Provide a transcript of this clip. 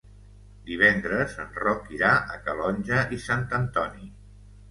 Divendres en Roc irà a Calonge i Sant Antoni.